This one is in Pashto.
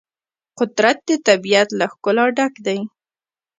قدرت د طبیعت له ښکلا ډک دی.